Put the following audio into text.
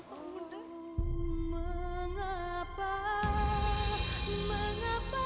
mama ataiku bangga banget banget hou